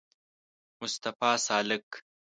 مصطفی سالک